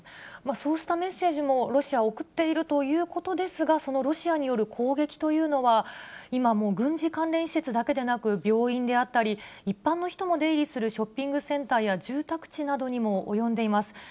そうしたメッセージもロシアは送っているということですが、そのロシアによる攻撃というのは、今もう軍事関連施設だけでなく、病院であったり、一般の人も出入りするショッピングセンターや、住宅地などにも及んでいます。